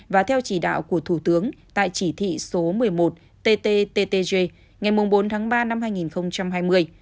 và theo chỉ đạo của thủ tướng tại chỉ thị số một mươi một ttttg ngày bốn tháng ba năm hai nghìn hai mươi